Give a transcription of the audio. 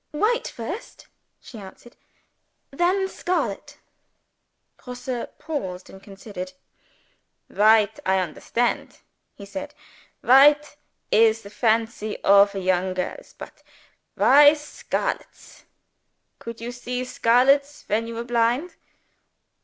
"White first," she answered. "Then scarlet." Grosse paused, and considered. "White, I understand," he said. "White is the fancy of a young girls. But why scarlets? Could you see scarlets when you were blind?"